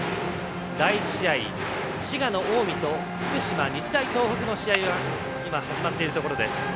第１試合、滋賀の近江と福島、日大東北の試合が今、始まっているところです。